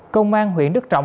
công an huyện đức trọng